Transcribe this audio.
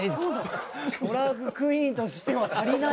ドラァグクイーンとしては足りない。